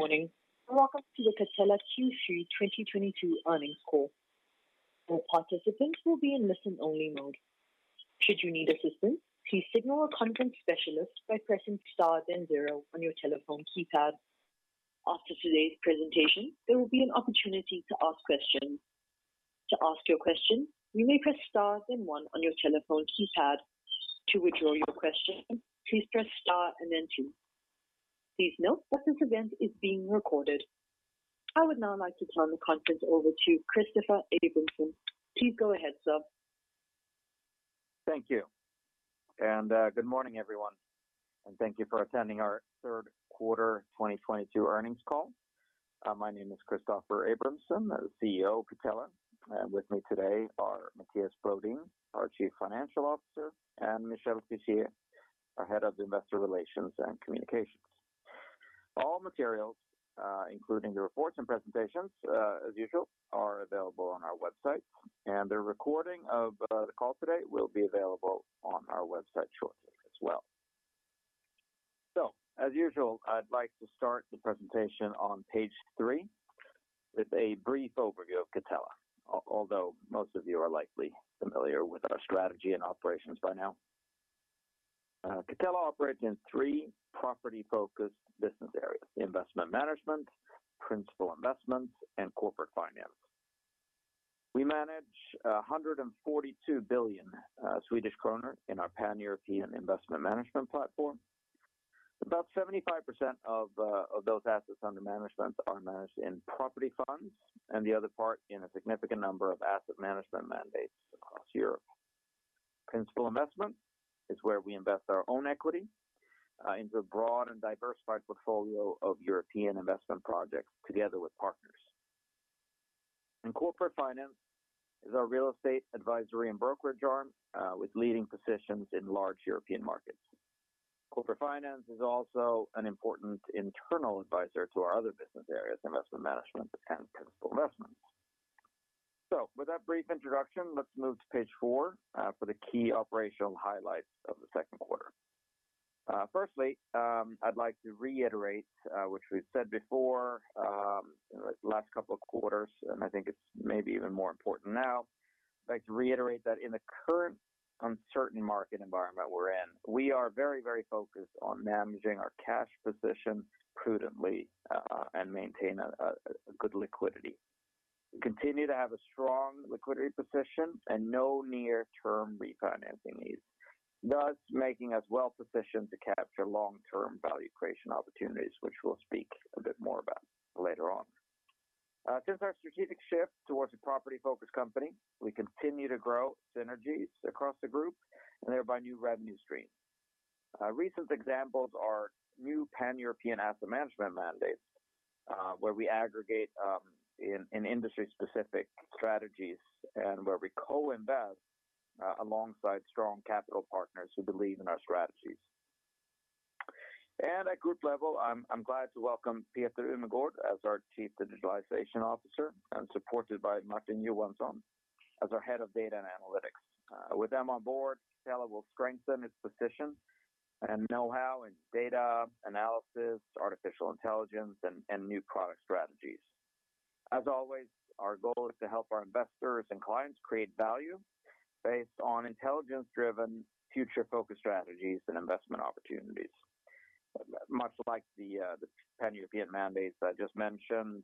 Good morning, and welcome to the Catella Q3 2022 earnings call. All participants will be in listen-only mode. Should you need assistance, please signal a conference specialist by pressing Star then zero on your telephone keypad. After today's presentation, there will be an opportunity to ask questions. To ask your question, you may press star then one on your telephone keypad. To withdraw your question, please press star and then two. Please note that this event is being recorded. I would now like to turn the conference over to Christoffer Abramson. Please go ahead, sir. Thank you. Good morning, everyone, and thank you for attending our third quarter 2022 earnings call. My name is Christoffer Abramson, the CEO of Catella. With me today are Mattias Brodin, our Chief Financial Officer, and Michel Fischier, our Head of Investor Relations and Communications. All materials, including the reports and presentations, as usual, are available on our website, and a recording of the call today will be available on our website shortly as well. As usual, I'd like to start the presentation on page 3 with a brief overview of Catella, although most of you are likely familiar with our strategy and operations by now. Catella operates in three property-focused business areas: investment management, principal investments, and corporate finance. We manage 142 billion Swedish kronor in our Pan-European investment management platform. About 75% of those assets under management are managed in property funds and the other part in a significant number of asset management mandates across Europe. Principal Investments is where we invest our own equity into a broad and diversified portfolio of European investment projects together with partners. Corporate Finance is our real estate advisory and brokerage arm with leading positions in large European markets. Corporate Finance is also an important internal advisor to our other business areas, Investment Management and Principal Investments. With that brief introduction, let's move to page four for the key operational highlights of the second quarter. Firstly, I'd like to reiterate which we've said before the last couple of quarters, and I think it's maybe even more important now. I'd like to reiterate that in the current uncertain market environment we're in, we are very, very focused on managing our cash position prudently and maintain a good liquidity. We continue to have a strong liquidity position and no near-term refinancing needs, thus making us well-positioned to capture long-term value creation opportunities, which we'll speak a bit more about later on. Since our strategic shift towards a property-focused company, we continue to grow synergies across the group and thereby new revenue streams. Recent examples are new Pan-European asset management mandates, where we aggregate in industry-specific strategies and where we co-invest alongside strong capital partners who believe in our strategies. At group level, I'm glad to welcome Peter Umegård as our Chief Digitalization Officer and supported by Martin Johanson as our Head of Data and Analytics. With them on board, Catella will strengthen its position and know-how in data analysis, artificial intelligence and new product strategies. As always, our goal is to help our investors and clients create value based on intelligence-driven, future-focused strategies and investment opportunities. Much like the Pan-European mandates I just mentioned,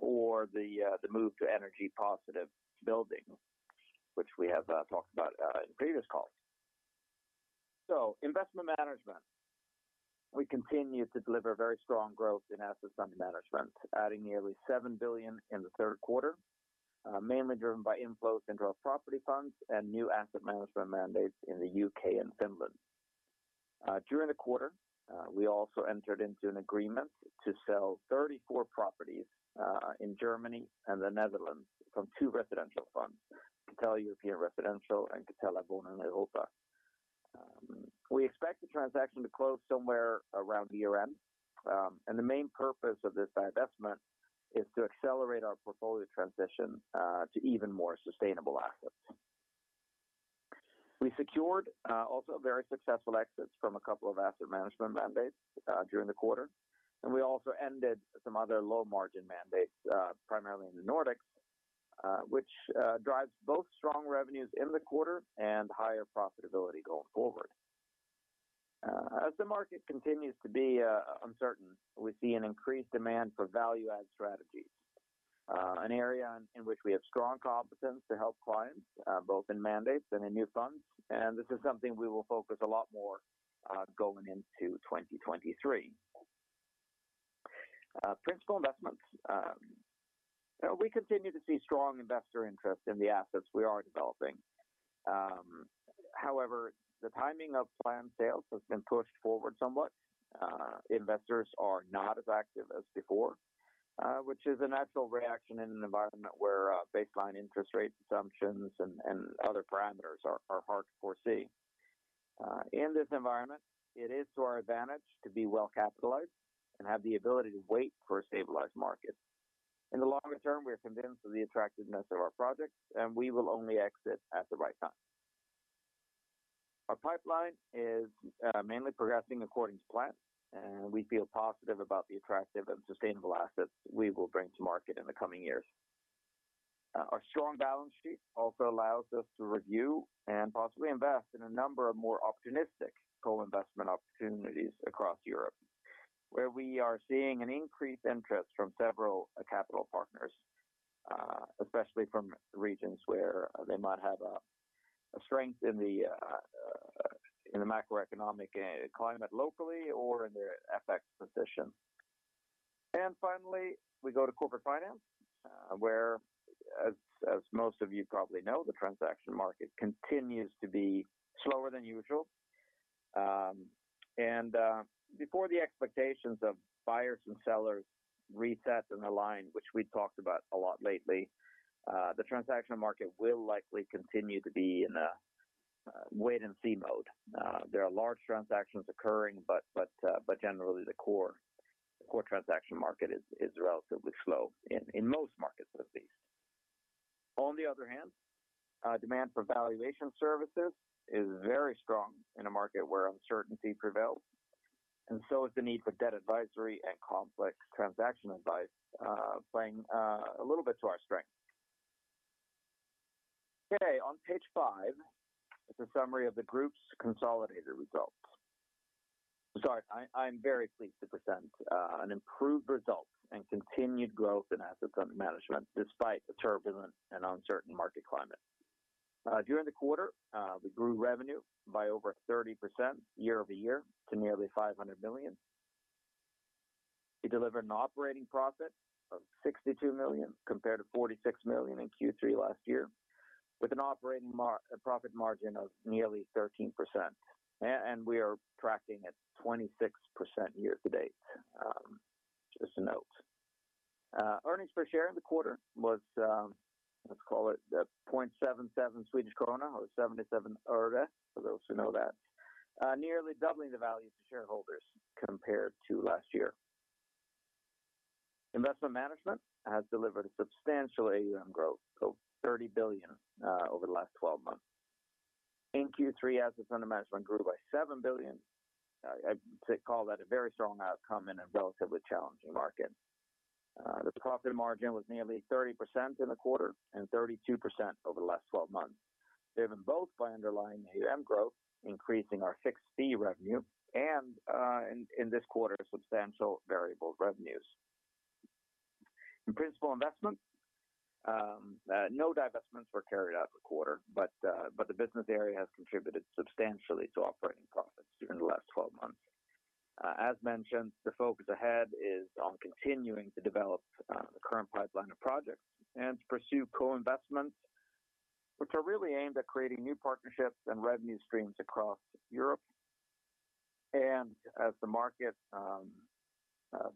or the move to energy positive building, which we have talked about in previous calls. Investment management. We continue to deliver very strong growth in assets under management, adding nearly 7 billion in the third quarter, mainly driven by inflows into our property funds and new asset management mandates in the U.K. and Finland. During the quarter, we also entered into an agreement to sell 34 properties in Germany and the Netherlands from two residential funds, Catella European Residential and Catella Wohnen Europa. We expect the transaction to close somewhere around year-end. The main purpose of this divestment is to accelerate our portfolio transition to even more sustainable assets. We secured also very successful exits from a couple of asset management mandates during the quarter, and we also ended some other low-margin mandates primarily in the Nordics, which drives both strong revenues in the quarter and higher profitability going forward. As the market continues to be uncertain, we see an increased demand for value-add strategies, an area in which we have strong competence to help clients both in mandates and in new funds. This is something we will focus a lot more going into 2023. Principal Investments. We continue to see strong investor interest in the assets we are developing. However, the timing of planned sales has been pushed forward somewhat. Investors are not as active as before, which is a natural reaction in an environment where baseline interest rate assumptions and other parameters are hard to foresee. In this environment, it is to our advantage to be well-capitalized and have the ability to wait for a stabilized market. In the longer term, we are convinced of the attractiveness of our projects, and we will only exit at the right time. Our pipeline is mainly progressing according to plan, and we feel positive about the attractive and sustainable assets we will bring to market in the coming years. Our strong balance sheet also allows us to review and possibly invest in a number of more opportunistic co-investment opportunities across Europe, where we are seeing an increased interest from several capital partners, especially from regions where they might have a strength in the macroeconomic climate locally or in their FX position. Finally, we go to Corporate Finance, where, as most of you probably know, the transaction market continues to be slower than usual. Before the expectations of buyers and sellers reset and align, which we've talked about a lot lately, the transaction market will likely continue to be in a wait-and-see mode. There are large transactions occurring, but generally the core transaction market is relatively slow in most markets at least. On the other hand, demand for valuation services is very strong in a market where uncertainty prevails, and so is the need for debt advisory and complex transaction advice, playing a little bit to our strength. Okay, on page five is a summary of the group's consolidated results. Sorry, I'm very pleased to present an improved result and continued growth in assets under management despite the turbulent and uncertain market climate. During the quarter, we grew revenue by over 30% year-over-year to nearly 500 million. We delivered an operating profit of 62 million compared to 46 million in Q3 last year, with an operating profit margin of nearly 13%. And we are tracking at 26% year to date, just to note. Earnings per share in the quarter was, let's call it, 0.77 Swedish krona or 77 öre for those who know that, nearly doubling the value to shareholders compared to last year. Investment Management has delivered a substantial AUM growth of 30 billion over the last 12 months. In Q3 assets under management grew by 7 billion. I call that a very strong outcome in a relatively challenging market. The profit margin was nearly 30% in the quarter and 32% over the last 12 months, driven both by underlying AUM growth increasing our fixed fee revenue and, in this quarter, substantial variable revenues. In Principal Investments, no divestments were carried out this quarter, but the business area has contributed substantially to operating profits during the last 12 months. As mentioned, the focus ahead is on continuing to develop the current pipeline of projects and to pursue co-investments which are really aimed at creating new partnerships and revenue streams across Europe. As the market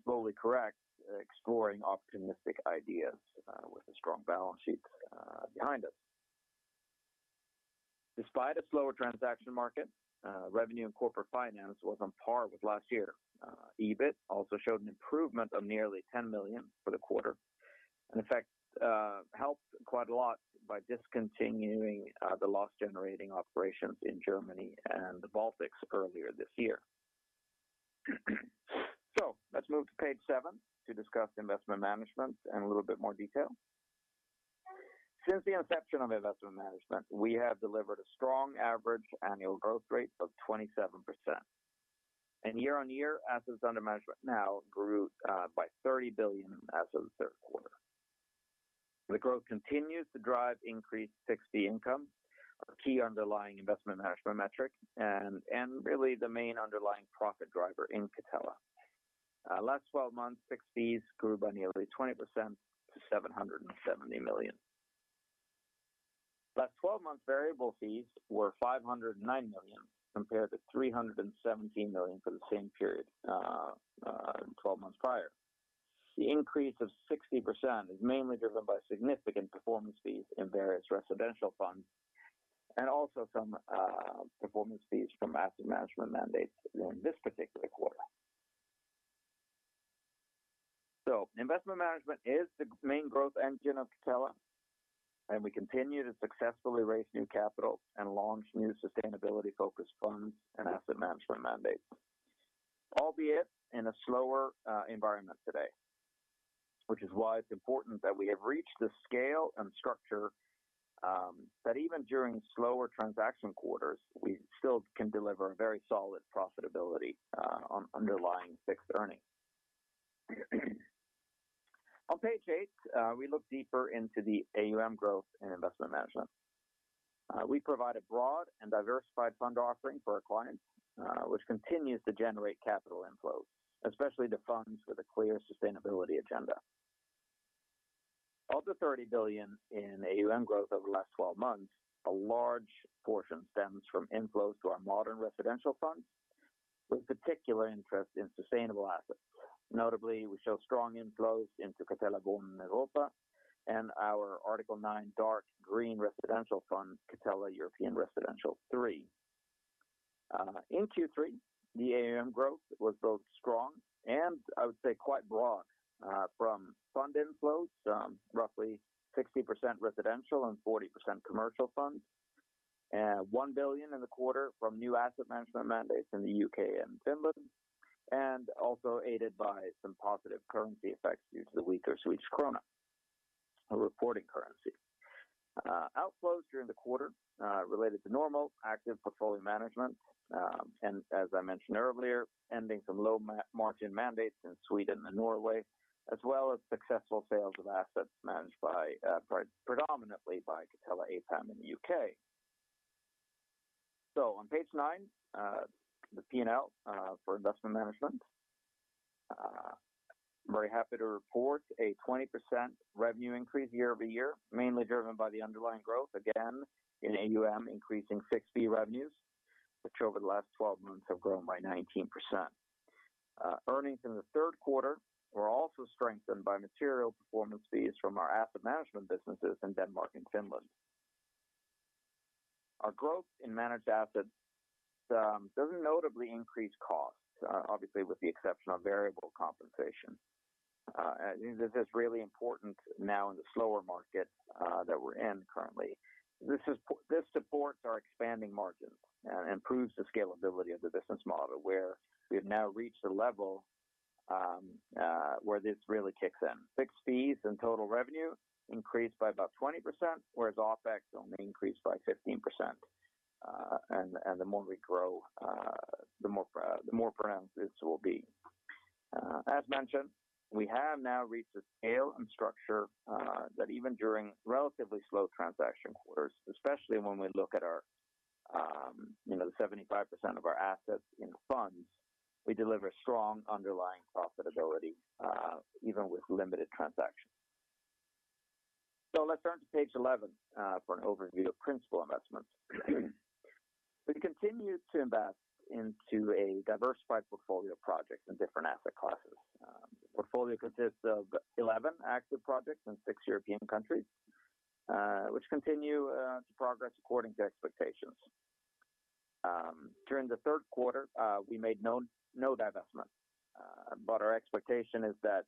slowly corrects, exploring opportunistic ideas with a strong balance sheet behind us. Despite a slower transaction market, revenue and corporate finance was on par with last year. EBIT also showed an improvement of nearly 10 million for the quarter, and in fact, helped quite a lot by discontinuing the loss-generating operations in Germany and the Baltics earlier this year. Let's move to page seven to discuss investment management in a little bit more detail. Since the inception of investment management, we have delivered a strong average annual growth rate of 27%. Year-on-year assets under management now grew by 30 billion as of the third quarter. The growth continues to drive increased fixed fee income, our key underlying investment management metric and really the main underlying profit driver in Catella. Last twelve months fixed fees grew by nearly 20% to 770 million. Last twelve months variable fees were 509 million compared to 317 million for the same period 12 months prior. The increase of 60% is mainly driven by significant performance fees in various residential funds and also some performance fees from asset management mandates in this particular quarter. Investment management is the main growth engine of Catella, and we continue to successfully raise new capital and launch new sustainability-focused funds and asset management mandates, albeit in a slower environment today. Which is why it's important that we have reached the scale and structure, that even during slower transaction quarters we still can deliver a very solid profitability, on underlying fixed earnings. On page eight, we look deeper into the AUM growth in investment management. We provide a broad and diversified fund offering for our clients, which continues to generate capital inflows, especially to funds with a clear sustainability agenda. Of the 30 billion in AUM growth over the last 12 months, a large portion stems from inflows to our modern residential funds with particular interest in sustainable assets. Notably, we show strong inflows into Catella Wohnen Europa and our Article 9 Dark Green Residential Fund, Catella European Residential III. In Q3, the AUM growth was both strong and I would say quite broad, from fund inflows, roughly 60% residential and 40% commercial funds, and 1 billion in the quarter from new asset management mandates in the U.K. and Finland, and also aided by some positive currency effects due to the weaker Swedish krona reporting currency. Outflows during the quarter related to normal active portfolio management, and as I mentioned earlier, ending some low margin mandates in Sweden and Norway, as well as successful sales of assets managed by, predominantly by Catella APAM in the U.K. On page nine, the P&L for investment management. Very happy to report a 20% revenue increase year-over-year, mainly driven by the underlying growth again in AUM, increasing fixed fee revenues, which over the last 12 months have grown by 19%. Earnings in the third quarter were also strengthened by material performance fees from our asset management businesses in Denmark and Finland. Our growth in managed assets doesn't notably increase costs, obviously with the exception of variable compensation. This is really important now in the slower market that we're in currently. This supports our expanding margins and improves the scalability of the business model, where we have now reached a level where this really kicks in. Fixed fees and total revenue increased by about 20%, whereas OpEx only increased by 15%. The more we grow, the more pronounced this will be. As mentioned, we have now reached a scale and structure that even during relatively slow transaction quarters, especially when we look at our, you know, 75% of our assets in funds, we deliver strong underlying profitability, even with limited transactions. Let's turn to page 11 for an overview of Principal Investments. We continue to invest into a diversified portfolio of projects in different asset classes. The portfolio consists of 11 active projects in six European countries, which continue to progress according to expectations. During the third quarter, we made no divestments, but our expectation is that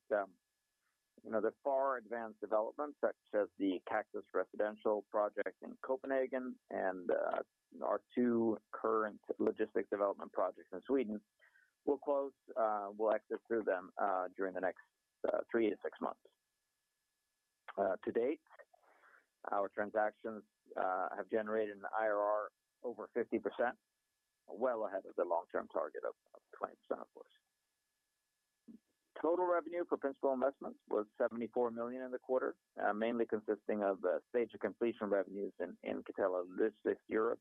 you know, the far-advanced developments such as the Kaktus Towers residential project in Copenhagen and our two current logistics development projects in Sweden will close, we'll exit through them during the next three to six months. To date, our transactions have generated an IRR over 50%, well ahead of the long-term target of 20% of course. Total revenue for principal investments was 74 million in the quarter, mainly consisting of stage of completion revenues in Catella Logistics Europe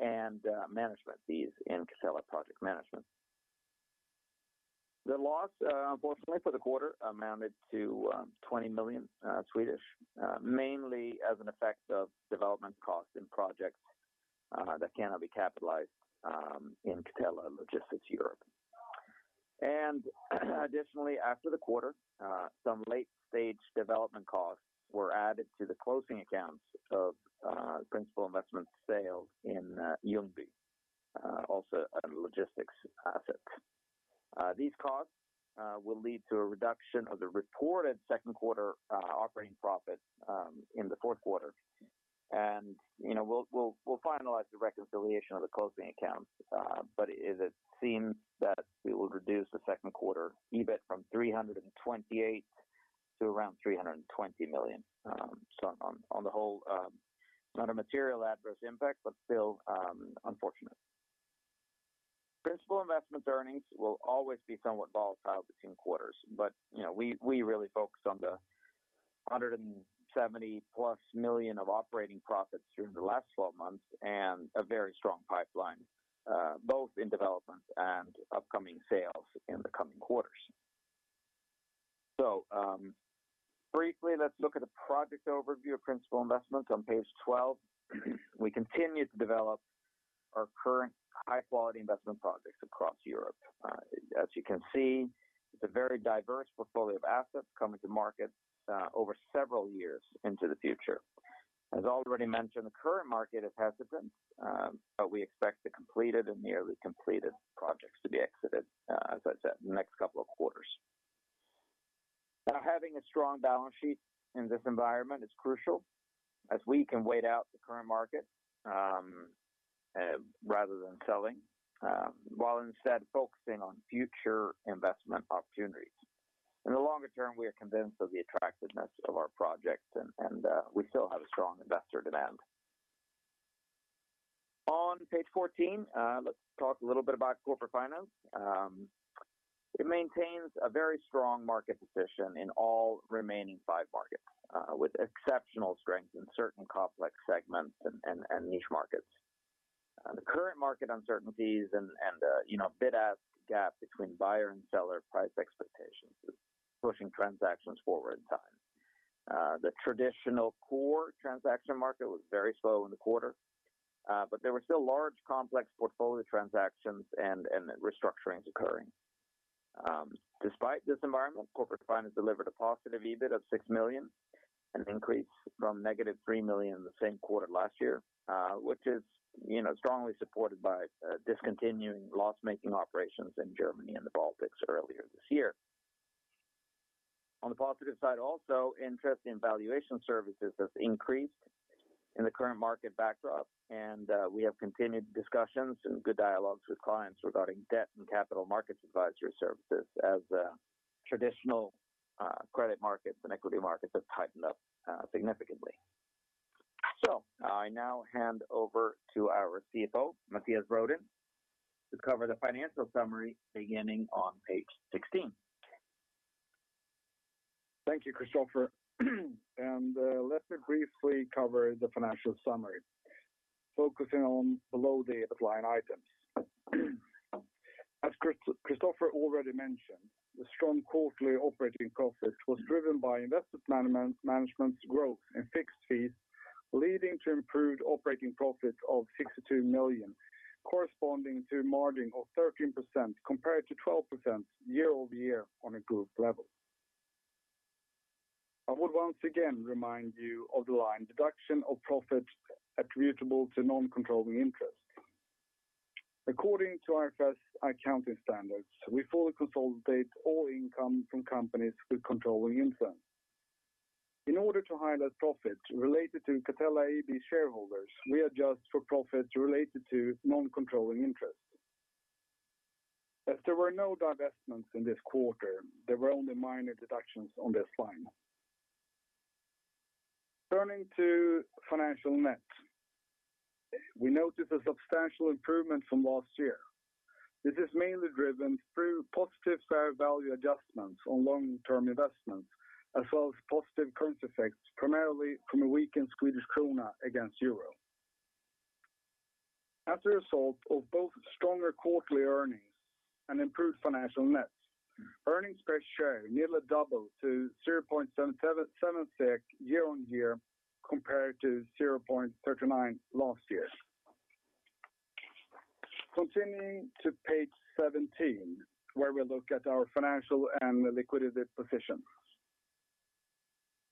and management fees in Catella Project Management. The loss unfortunately for the quarter amounted to 20 million Swedish kronor, mainly as an effect of development costs in projects that cannot be capitalized in Catella Logistics Europe. Additionally, after the quarter, some late-stage development costs were added to the closing accounts of Principal Investments sales in Ljungby, also a logistics asset. These costs will lead to a reduction of the reported second quarter operating profit in the fourth quarter. You know, we'll finalize the reconciliation of the closing accounts, but it seems that we will reduce the second quarter EBIT from 328 million to around 320 million. On the whole, not a material adverse impact, but still unfortunate. Principal Investments earnings will always be somewhat volatile between quarters, but you know, we really focus on the 170+ million of operating profits during the last 12 months and a very strong pipeline, both in development and upcoming sales in the coming quarters. Briefly, let's look at a project overview of Principal Investments on page 12. We continue to develop our current high-quality investment projects across Europe. As you can see, it's a very diverse portfolio of assets coming to market over several years into the future. As already mentioned, the current market is hesitant, but we expect the completed and nearly completed projects to be exited, as I said, in the next couple of quarters. Now, having a strong balance sheet in this environment is crucial as we can wait out the current market, rather than selling, while instead focusing on future investment opportunities. In the longer term, we are convinced of the attractiveness of our projects and we still have a strong investor demand. On page 14, let's talk a little bit about Corporate Finance. It maintains a very strong market position in all remaining five markets, with exceptional strength in certain complex segments and niche markets. The current market uncertainties and you know, bid-ask gap between buyer and seller price expectations is pushing transactions forward in time. The traditional core transaction market was very slow in the quarter, but there were still large complex portfolio transactions and restructurings occurring. Despite this environment, Corporate Finance delivered a positive EBIT of 6 million, an increase from -3 million the same quarter last year, which is, you know, strongly supported by discontinuing loss-making operations in Germany and the Baltics earlier this year. On the positive side also, interest in valuation services has increased in the current market backdrop, and we have continued discussions and good dialogues with clients regarding debt and capital markets advisory services as traditional credit markets and equity markets have tightened up significantly. I now hand over to our CFO, Mattias Brodin, to cover the financial summary beginning on page 16. Thank you, Christoffer. Let me briefly cover the financial summary, focusing on underlying items. As Christoffer already mentioned, the strong quarterly operating profit was driven by investment management's growth in fixed fees, leading to improved operating profits of 62 million, corresponding to a margin of 13% compared to 12% year-over-year on a group level. I would once again remind you of the line deduction of profit attributable to non-controlling interest. According to IFRS accounting standards, we fully consolidate all income from companies with controlling interest. In order to highlight profits related to Catella AB shareholders, we adjust for profits related to non-controlling interests. As there were no divestments in this quarter, there were only minor deductions on this line. Turning to financial net, we notice a substantial improvement from last year. This is mainly driven through positive fair value adjustments on long-term investments as well as positive currency effects, primarily from a weakened Swedish krona against euro. As a result of both stronger quarterly earnings and improved financial net, earnings per share nearly doubled to 0.777 year-over-year compared to 0.39 last year. Continuing to page 17, where we look at our financial and liquidity position.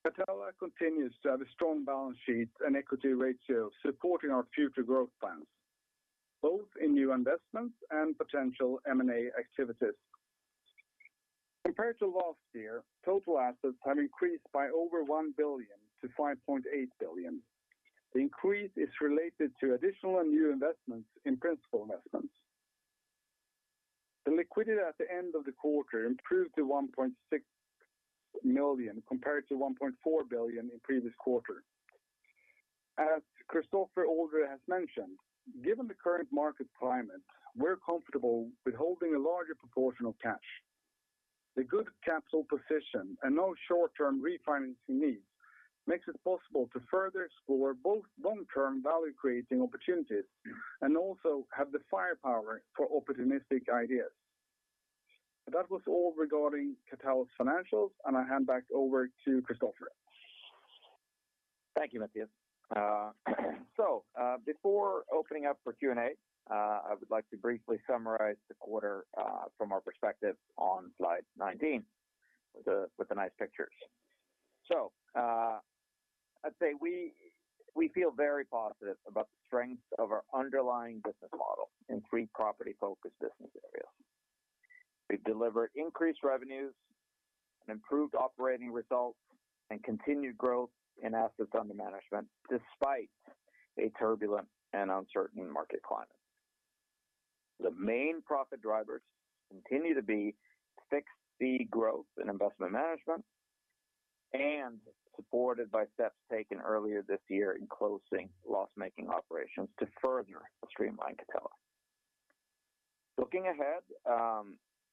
Catella continues to have a strong balance sheet and equity ratio supporting our future growth plans, both in new investments and potential M&A activities. Compared to last year, total assets have increased by over 1 billion to 5.8 billion. The increase is related to additional and new investments in Principal Investments. The liquidity at the end of the quarter improved to 1.6 million compared to 1.4 billion in previous quarter. As Christoffer already has mentioned, given the current market climate, we're comfortable with holding a larger proportion of cash. The good capital position and no short-term refinancing needs makes it possible to further explore both long-term value-creating opportunities and also have the firepower for opportunistic ideas. That was all regarding Catella's financials, and I hand back over to Christoffer. Thank you, Mattias. Before opening up for Q&A, I would like to briefly summarize the quarter from our perspective on slide 19 with the nice pictures. I'd say we feel very positive about the strength of our underlying business model in three property-focused business areas. We've delivered increased revenues and improved operating results and continued growth in assets under management despite a turbulent and uncertain market climate. The main profit drivers continue to be fixed-fee growth in Investment Management and supported by steps taken earlier this year in closing loss-making operations to further streamline Catella. Looking ahead,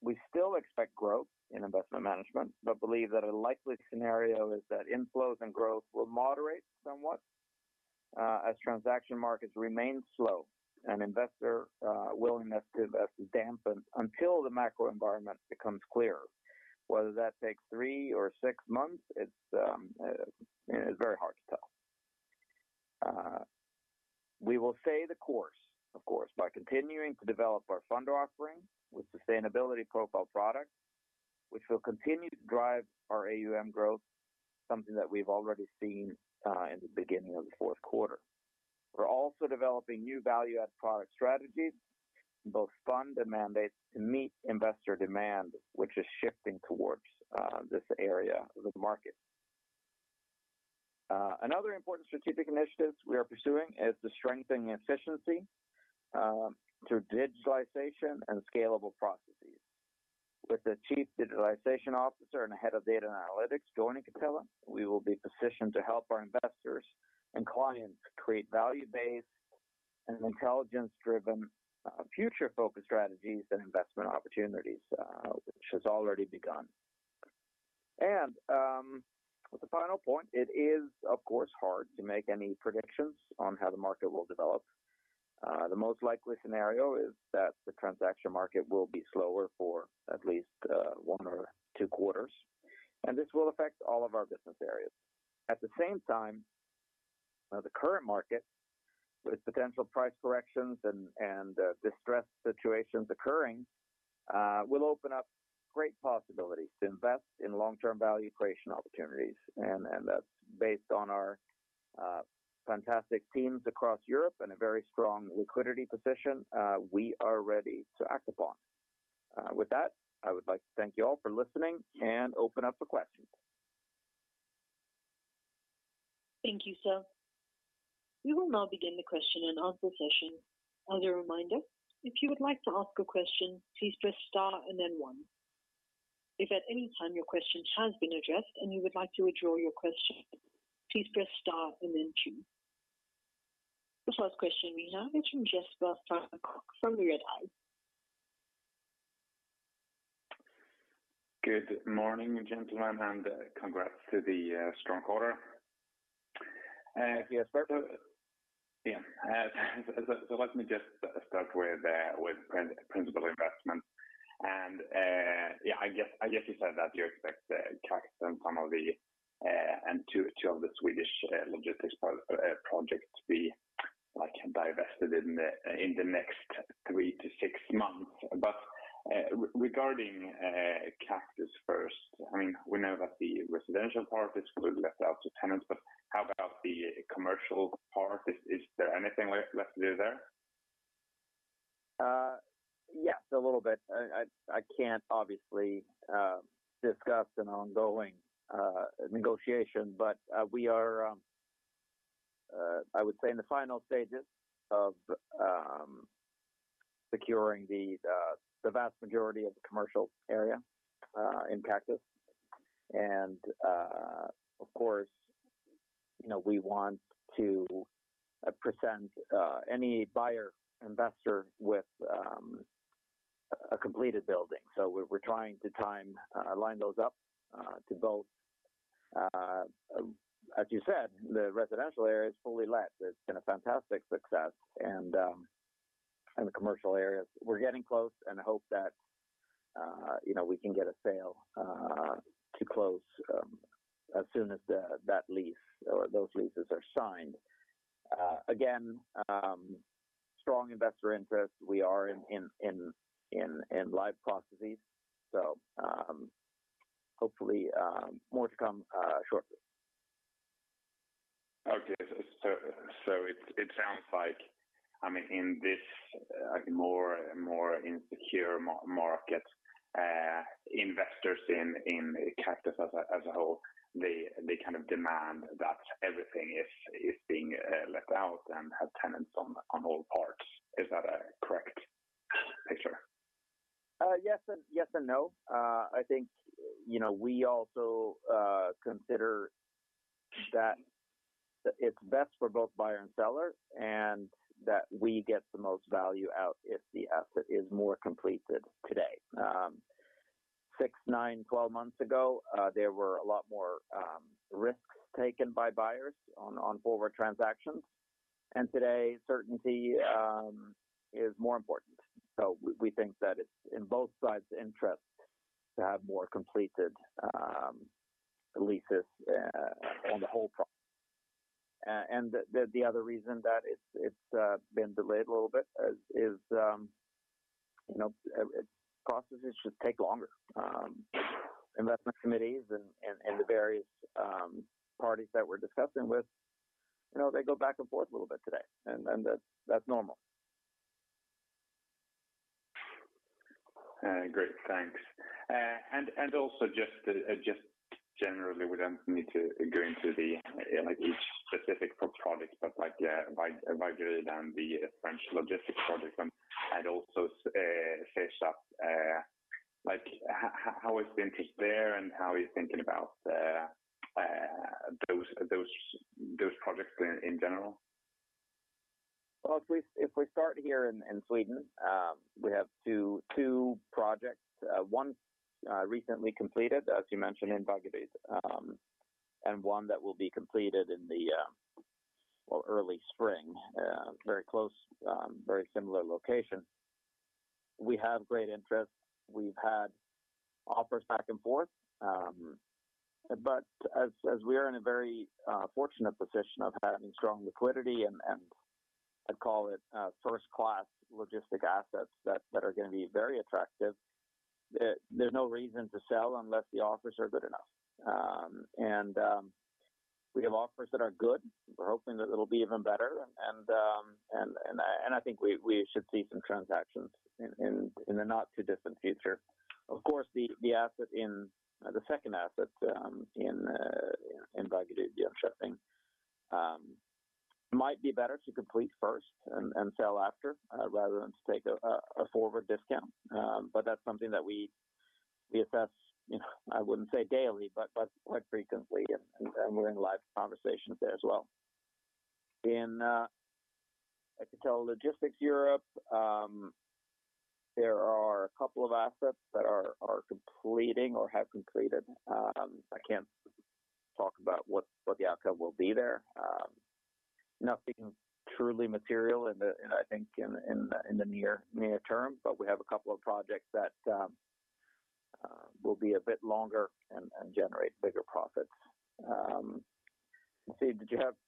we still expect growth in Investment Management but believe that a likely scenario is that inflows and growth will moderate somewhat as transaction markets remain slow and investor willingness to invest is dampened until the macro environment becomes clearer. Whether that takes three or six months, it's, you know, very hard to tell. We will stay the course, of course, by continuing to develop our fund offering with sustainability profile products, which will continue to drive our AUM growth, something that we've already seen in the beginning of the fourth quarter. We're also developing new value add product strategies in both fund and mandate to meet investor demand, which is shifting towards this area of the market. Another important strategic initiative we are pursuing is the strengthening efficiency through digitalization and scalable processes. With the Chief Digitalization Officer and the Head of Data and Analytics joining Catella, we will be positioned to help our investors and clients create value-based and intelligence-driven future-focused strategies and investment opportunities, which has already begun. The final point, it is of course hard to make any predictions on how the market will develop. The most likely scenario is that the transaction market will be slower for at least one or two quarters, and this will affect all of our business areas. At the same time, the current market with potential price corrections and distressed situations occurring will open up great possibilities to invest in long-term value creation opportunities. That's based on our fantastic teams across Europe and a very strong liquidity position, we are ready to act upon. With that, I would like to thank you all for listening and open up for questions. Thank you, sir. We will now begin the question and answer session. As a reminder, if you would like to ask a question, please press star and then one. If at any time your question has been addressed and you would like to withdraw your question, please press star and then two. The first question we have is from Jesper von Koch from Redeye. Good morning, gentlemen, and congrats to the strong quarter. So let me just start with principal investment. I guess you said that you expect Kaktus and two of the Swedish logistics projects to be like divested in the next three to six months. Regarding Kaktus first, I mean, we know that the residential part is fully let out to tenants, but how about the commercial part? Is there anything left to do there? Yes, a little bit. I can't obviously discuss an ongoing negotiation, but we are, I would say, in the final stages of securing the vast majority of the commercial area in Kaktus. Of course, you know, we want to present any buyer investor with a completed building. We're trying to time line those up to both, as you said, the residential area is fully let. It's been a fantastic success and in the commercial areas. We're getting close and hope that you know we can get a sale to close as soon as that lease or those leases are signed. Again, strong investor interest. We are in live processes. Hopefully, more to come shortly. It sounds like, I mean, in this more insecure market, investors in Kaktus as a whole, they kind of demand that everything is being let out and have tenants on all parts. Is that a correct picture? Yes and no. I think, you know, we also consider that it's best for both buyer and seller and that we get the most value out if the asset is more completed today. 6, 9, 12 months ago, there were a lot more risks taken by buyers on forward transactions. Today, certainty is more important. We think that it's in both sides interest to have more completed leases on the whole front. The other reason that it's been delayed a little bit is processes just take longer. Investment committees and the various parties that we're discussing with, you know, they go back and forth a little bit today, and that that's normal. Great. Thanks. Also, just generally, we don't need to go into the like each specific project, but like Vaggeryd and the French logistics project and also Seefeld like how is the interest there, and how are you thinking about those projects in general? Well, if we start here in Sweden, we have two projects. One recently completed, as you mentioned, in Vaggeryd, and one that will be completed in the early spring, very close, very similar location. We have great interest. We've had offers back and forth. As we are in a very fortunate position of having strong liquidity and I'd call it first-class logistics assets that are gonna be very attractive, there's no reason to sell unless the offers are good enough. We have offers that are good. We're hoping that it'll be even better. I think we should see some transactions in the not too distant future. Of course, the second asset in Vaggeryd, Jönköping, might be better to complete first and sell after rather than to take a forward discount. That's something that we assess, you know. I wouldn't say daily, but quite frequently, and we're in live conversations there as well. In Catella Logistics Europe, there are a couple of assets that are completing or have completed. I can't talk about what the outcome will be there. Nothing truly material in the near term, but we have a couple of projects that will be a bit longer and generate bigger profits. Let's see,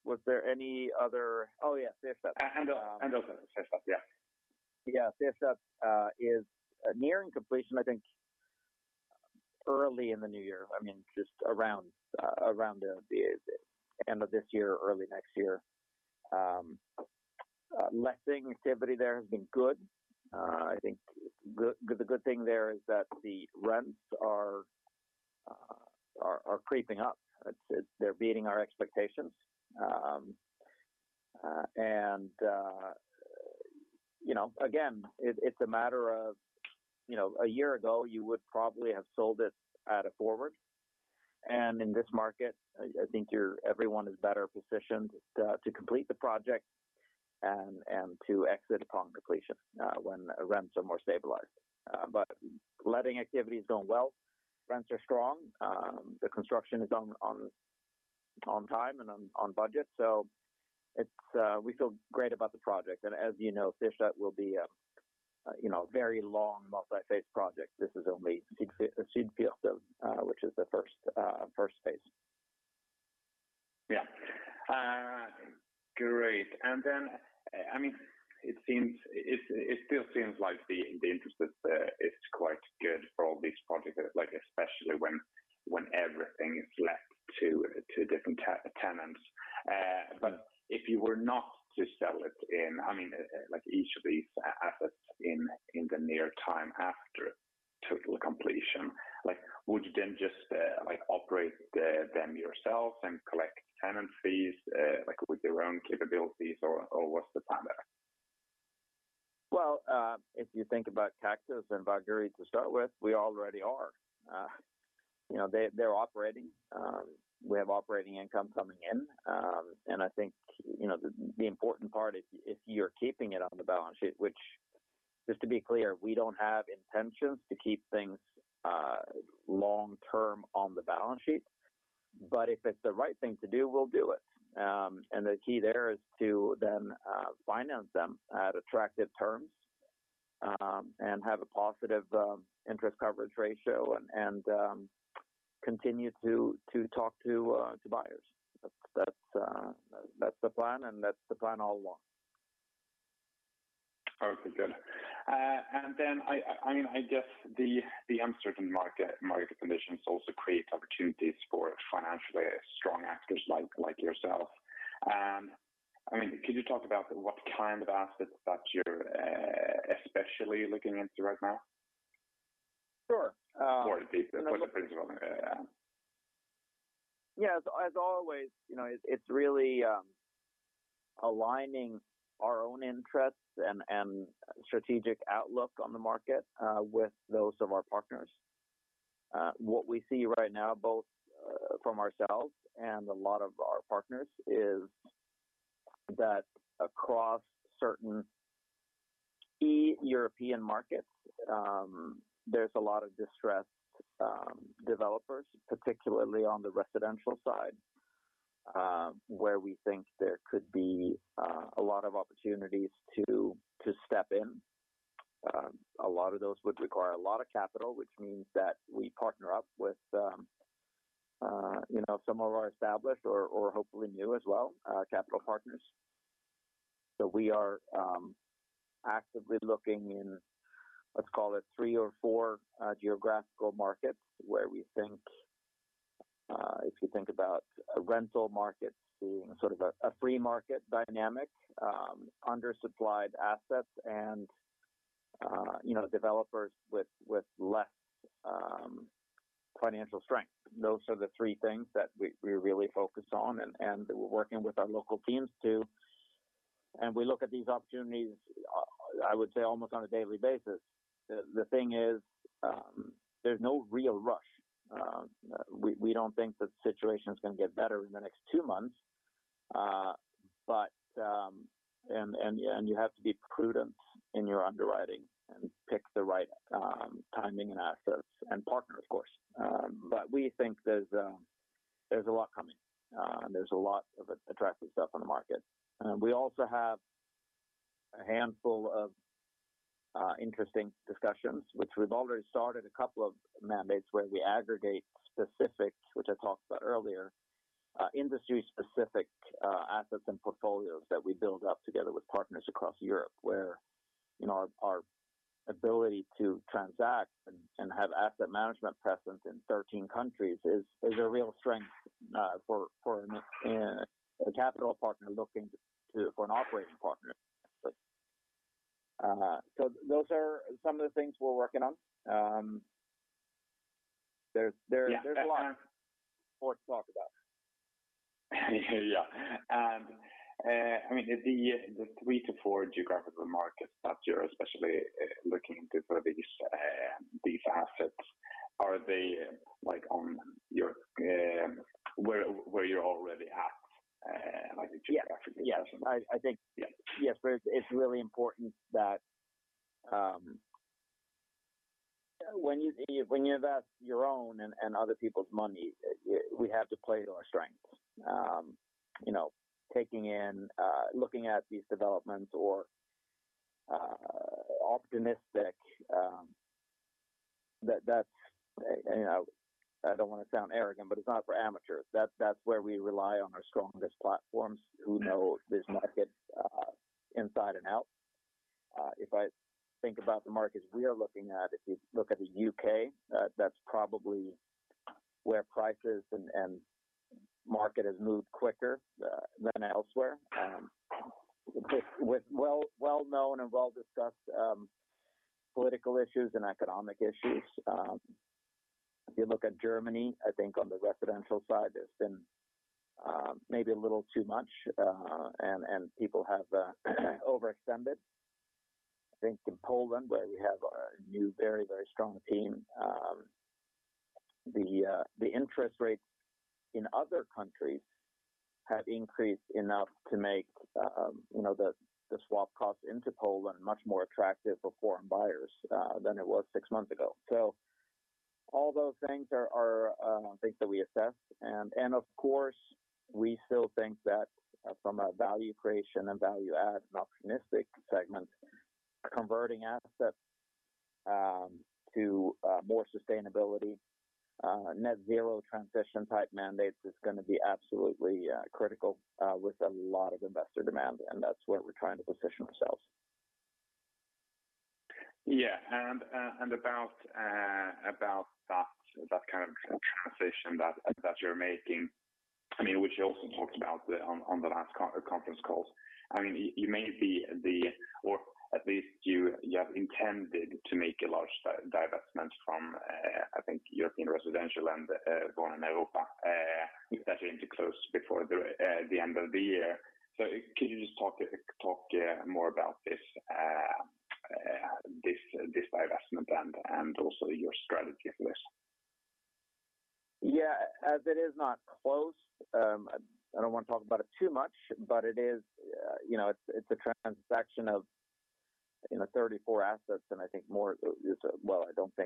was there any other? Oh, yeah. Seefeld. Seefeld, yeah. Yeah. Seefeld is nearing completion, I think early in the new year. I mean, just around the end of this year or early next year. Letting activity there has been good. I think the good thing there is that the rents are creeping up. They're beating our expectations. You know, again, it's a matter of, you know, a year ago, you would probably have sold it at a forward. In this market, I think everyone is better positioned to complete the project and to exit upon completion when rents are more stabilized. Letting activity is doing well. Rents are strong. The construction is on time and on budget. We feel great about the project. As you know, Seefeld will be a, you know, very long multi-phase project. This is only Seefeld, which is the first phase. Yeah. Great. I mean, it still seems like the interest is quite good for all these projects, like especially when everything is let to different tenants. If you were not to sell them, I mean, like each of these assets in the near term after total completion, like, would you then just like operate them yourselves and collect tenant fees, like with your own capabilities or what's the plan there? Well, if you think about Kaktus and Vaggeryd to start with, we already are. You know, they're operating. We have operating income coming in. I think, you know, the important part if you're keeping it on the balance sheet, which just to be clear, we don't have intentions to keep things long term on the balance sheet. But if it's the right thing to do, we'll do it. The key there is to then finance them at attractive terms and have a positive interest coverage ratio and continue to talk to buyers. That's the plan, and that's the plan all along. Okay, good. I mean, I guess the uncertain market conditions also create opportunities for financially strong actors like yourself. I mean, could you talk about what kind of assets that you're especially looking into right now? Sure. The principal. Yeah. Yeah. As always, you know, it's really aligning our own interests and strategic outlook on the market with those of our partners. What we see right now, both from ourselves and a lot of our partners, is that across certain key European markets, there's a lot of distressed developers, particularly on the residential side, where we think there could be a lot of opportunities to step in. A lot of those would require a lot of capital, which means that we partner up with you know, some of our established or hopefully new as well, capital partners. We are actively looking in, let's call it three or four geographical markets where we think, if you think about rental markets being sort of a free market dynamic, under-supplied assets and, you know, developers with less financial strength. Those are the three things that we really focus on and we're working with our local teams. We look at these opportunities, I would say almost on a daily basis. The thing is, there's no real rush. We don't think the situation is going to get better in the next two months. You have to be prudent in your underwriting and pick the right timing and assets and partners, of course. We think there's a lot coming. There's a lot of attractive stuff on the market. We also have a handful of interesting discussions, which we've already started a couple of mandates where we aggregate specifics, which I talked about earlier, industry-specific assets and portfolios that we build up together with partners across Europe, where, you know, our ability to transact and have asset management presence in 13 countries is a real strength for a capital partner looking to for an operating partner. Those are some of the things we're working on. There's a lot more to talk about. Yeah. I mean, the three to four geographical markets that you're especially looking into for these assets, are they like on your where you're already at, like geographically? Yes. I think yes. It's really important that when you invest your own and other people's money, we have to play to our strengths. You know, I don't want to sound arrogant, but it's not for amateurs. That's where we rely on our strongest platforms who know this market inside and out. If I think about the markets we are looking at, if you look at the U.K., that's probably where prices and market has moved quicker than elsewhere with well-known and well-discussed political issues and economic issues. If you look at Germany, I think on the residential side, there's been maybe a little too much and people have overextended. I think in Poland, where we have a new, very, very strong team, the interest rates in other countries have increased enough to make, you know, the swap costs into Poland much more attractive for foreign buyers, than it was six months ago. All those things are things that we assess. Of course, we still think that from a value creation and value add and optimistic segment, converting assets, to more sustainability, net zero transition type mandates is going to be absolutely critical, with a lot of investor demand, and that's where we're trying to position ourselves. About that kind of transition that you're making, I mean, which you also talked about on the last conference calls. I mean, or at least you have intended to make a large divestment from, I think, European Residential and Wohnen Europa, that's going to close before the end of the year. Could you just talk more about this divestment plan and also your strategy for this? Yeah. As it is not closed, I don't want to talk about it too much, but it is, you know, it's a transaction of, you know, 34 assets, and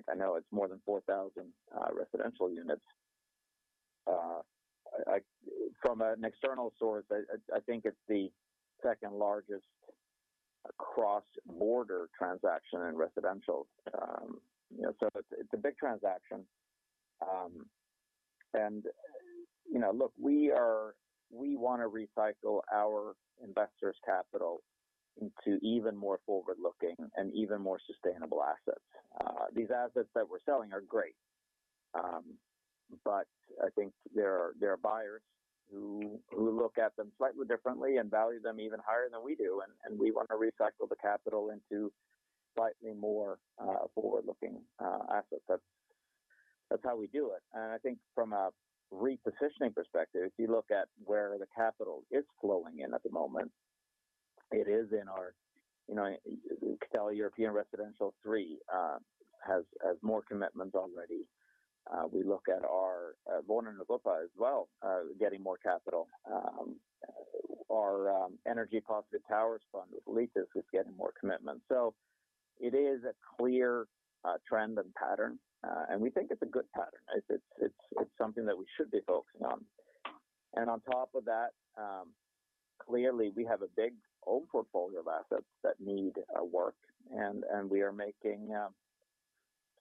I know it's more than 4,000 residential units. From an external source, I think it's the second largest cross-border transaction in residential. You know, so it's a big transaction. We want to recycle our investors' capital into even more forward-looking and even more sustainable assets. These assets that we're selling are great. But I think there are buyers who look at them slightly differently and value them even higher than we do. We want to recycle the capital into slightly more forward-looking assets. That's how we do it. I think from a repositioning perspective, if you look at where the capital is flowing in at the moment, it is in our, you know, Catella European Residential Three has more commitments already. We look at our Wohnen Europa as well getting more capital. Our energy positive towers fund with Elithis is getting more commitments. It is a clear trend and pattern, and we think it's a good pattern. It's something that we should be focusing on. On top of that, clearly we have a big old portfolio of assets that need work and we are making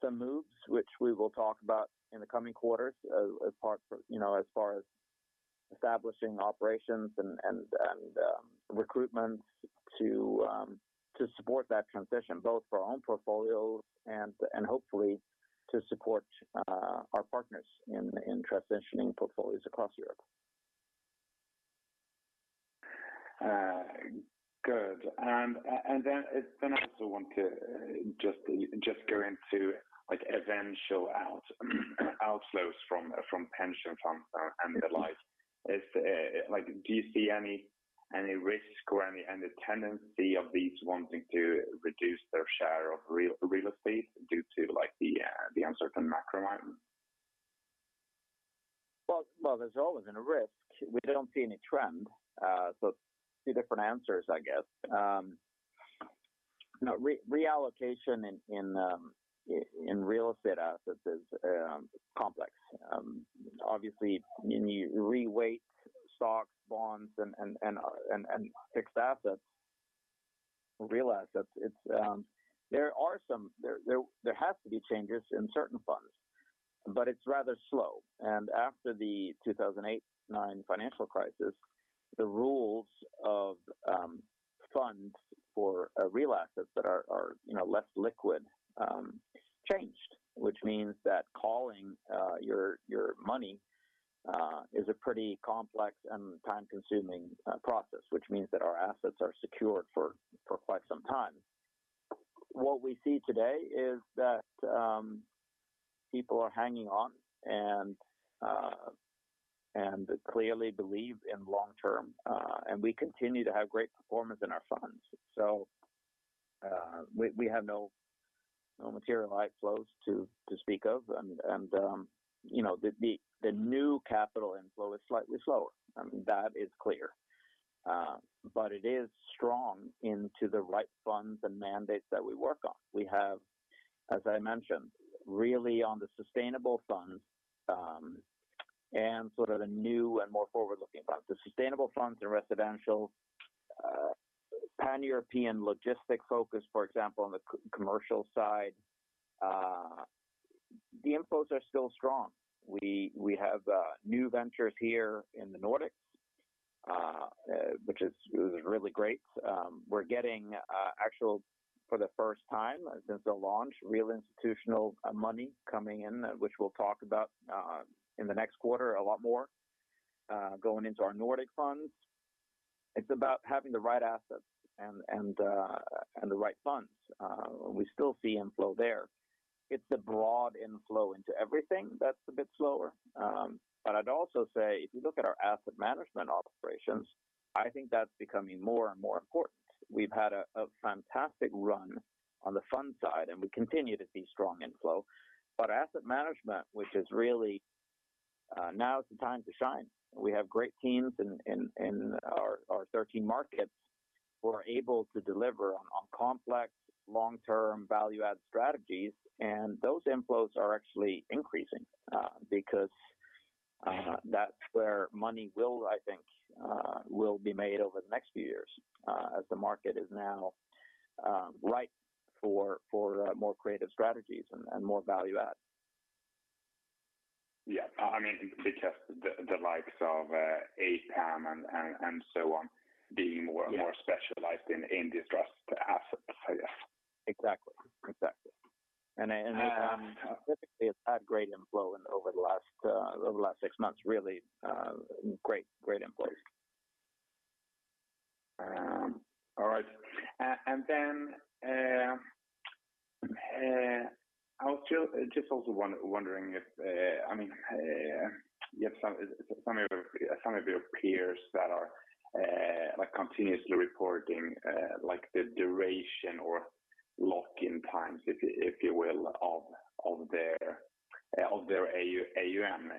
some moves which we will talk about in the coming quarters as part, you know, as far as establishing operations and recruitments to support that transition, both for our own portfolios and hopefully to support our partners in transitioning portfolios across Europe. Good. I also want to just go into like eventual outflows from pension funds and the like. Is, like, do you see any risk or any tendency of these wanting to reduce their share of real estate due to like the uncertain macro environment? Well, there's always been a risk. We don't see any trend. So two different answers, I guess. You know, reallocation in real estate assets is complex. Obviously when you reweight stocks, bonds, and fixed assets, real assets, there has to be changes in certain funds, but it's rather slow. After the 2008-2009 financial crisis, the rules of funds for real assets that are less liquid changed. Which means that calling your money is a pretty complex and time-consuming process, which means that our assets are secured for quite some time. What we see today is that people are hanging on and clearly believe in long term, and we continue to have great performance in our funds. We have no material outflows to speak of. You know, the new capital inflow is slightly slower, and that is clear. It is strong into the right funds and mandates that we work on. We have, as I mentioned, really on the sustainable funds, sort of the new and more forward-looking parts. The sustainable funds and residential, pan-European logistics focus, for example, on the commercial side. The inflows are still strong. We have new ventures here in the Nordics, which is really great. We're getting actual, for the first time since the launch, real institutional money coming in, which we'll talk about in the next quarter a lot more, going into our Nordic funds. It's about having the right assets and the right funds. We still see inflow there. It's the broad inflow into everything that's a bit slower. I'd also say if you look at our asset management operations, I think that's becoming more and more important. We've had a fantastic run on the fund side, and we continue to see strong inflow. Asset management, which is really now it's the time to shine. We have great teams in our 13 markets who are able to deliver on complex long-term value add strategies, and those inflows are actually increasing because that's where money will, I think, will be made over the next few years as the market is now ripe for more creative strategies and more value add. Yeah. I mean because the likes of APAM and so on being more- Yeah. more specialized in distressed assets. Exactly. Um- Specifically, it's had great inflow over the last six months, really, great inflows. I was just also wondering if, I mean, you have some of your peers that are like continuously reporting like the duration or lock-in times, if you will, of their AUM.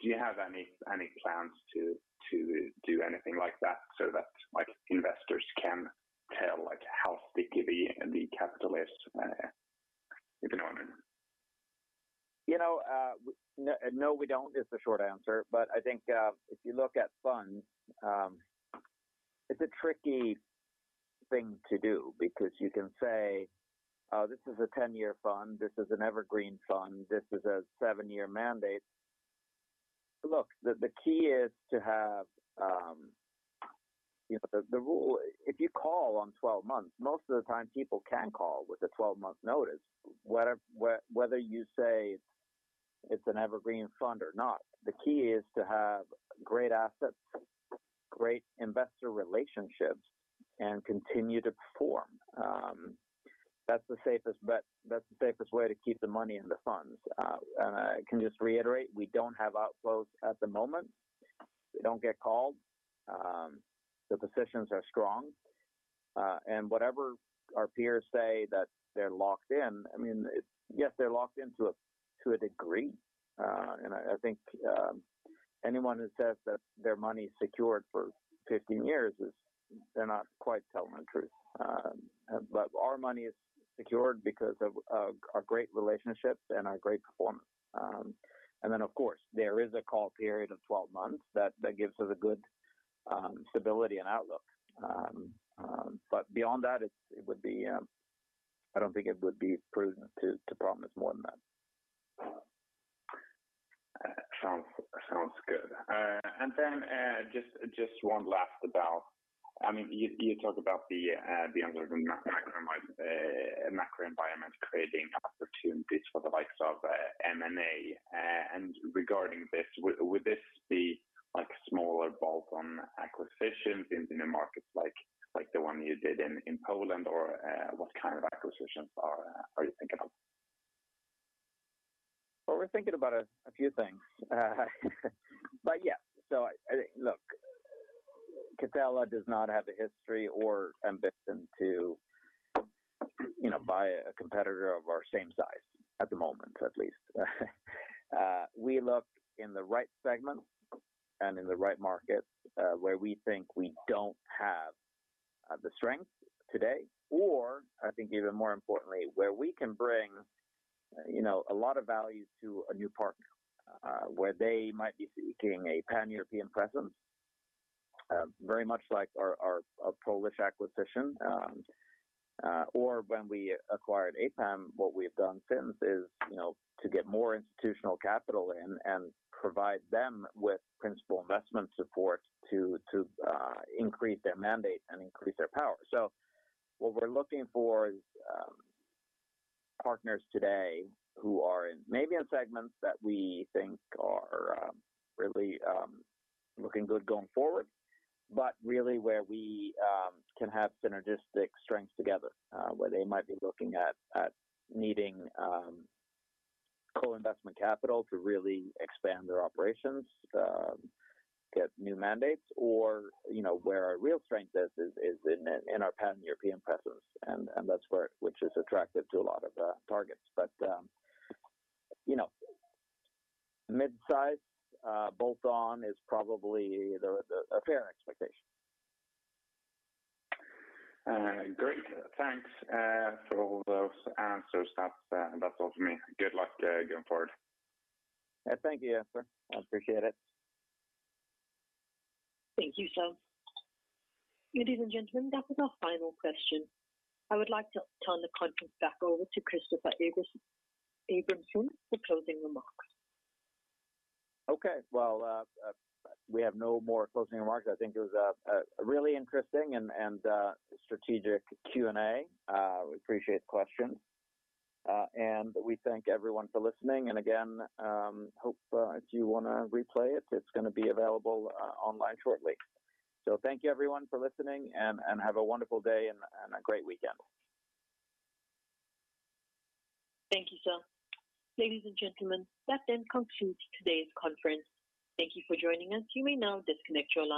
Do you have any plans to do anything like that so that like investors can tell like how sticky the capital is, you know? You know, no, we don't. Is the short answer. I think, if you look at funds, it's a tricky thing to do because you can say, "this is a 10-year fund. This is an evergreen fund. This is a seven-year mandate." Look, the key is to have. You know, the rule. If you call in 12 months, most of the time people can call with a 12-month notice, whether you say it's an evergreen fund or not. The key is to have great assets, great investor relationships, and continue to perform. That's the safest bet. That's the safest way to keep the money in the funds. Can I just reiterate, we don't have outflows at the moment. We don't get called. The positions are strong. Whatever our peers say that they're locked in, I mean, it's yes, they're locked in to a degree. I think anyone who says that their money is secured for 15 years is they're not quite telling the truth. Our money is secured because of our great relationships and our great performance. Of course, there is a call period of 12 months that gives us a good stability and outlook. Beyond that, I don't think it would be prudent to promise more than that. Sounds good. I mean, you talk about the underlying macro environment creating opportunities for the likes of M&A. Regarding this, would this be like smaller bolt-on acquisitions in a market like the one you did in Poland or what kind of acquisitions are you thinking of? Well, we're thinking about a few things. Yeah. I think. Look, Catella does not have the history or ambition to, you know, buy a competitor of our same size at the moment, at least. We look in the right segment and in the right market, where we think we don't have the strength today, or I think even more importantly, where we can bring, you know, a lot of value to a new partner, where they might be seeking a pan-European presence, very much like our Polish acquisition. Or when we acquired APAM, what we've done since is, you know, to get more institutional capital in and provide them with principal investment support to increase their mandate and increase their power. What we're looking for is partners today who are maybe in segments that we think are really looking good going forward, but really where we can have synergistic strengths together. Where they might be looking at needing co-investment capital to really expand their operations, get new mandates or, you know, where our real strength is in our pan-European presence and that's where, which is attractive to a lot of targets. You know, midsize bolt-on is probably a fair expectation. Great. Thanks for all those answers. That's all for me. Good luck going forward. Thank you, Jesper. I appreciate it. Thank you, sir. Ladies and gentlemen, that was our final question. I would like to turn the conference back over to Christoffer Abramson for closing remarks. Okay. Well, we have no more closing remarks. I think it was a really interesting and strategic Q&A. We appreciate the questions. We thank everyone for listening. Again, hope if you wanna replay it's gonna be available online shortly. Thank you everyone for listening and have a wonderful day and a great weekend. Thank you, sir. Ladies and gentlemen, that then concludes today's conference. Thank you for joining us. You may now disconnect your line.